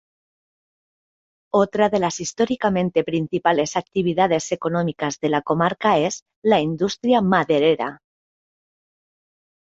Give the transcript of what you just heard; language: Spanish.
Otra de las históricamente principales actividades económicas de la comarca es la industria maderera.